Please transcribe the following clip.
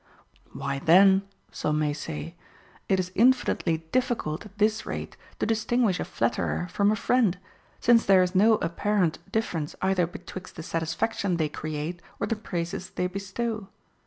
3. Why then, some may say, it is infinitely difficult at this rate to distinguish a flatterer from a friend, since there is no apparent difference either betwixt the satisfaction they create or the praises they bestow.